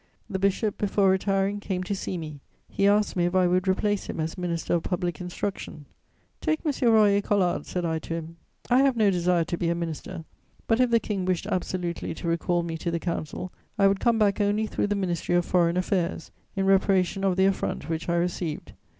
The bishop, before retiring, came to see me; he asked me if I would replace him as Minister of Public Instruction: "Take M. Royer Collard," said I to him, "I have no desire to be a minister; but if the King wished absolutely to recall me to the Council, I would come back only through the Ministry of Foreign Affairs, in reparation of the affront which I received.